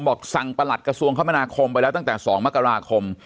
สั่งประหลัดกระทรวงคมนาคมไปแล้วตั้งแต่๒มกราคม